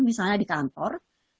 misalnya di kantor